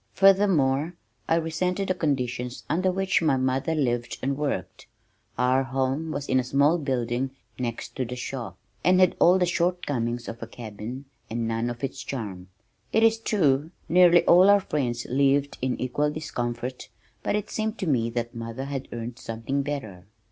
Furthermore, I resented the conditions under which my mother lived and worked. Our home was in a small building next to the shop, and had all the shortcomings of a cabin and none of its charm. It is true nearly all our friends lived in equal discomfort, but it seemed to me that mother had earned something better.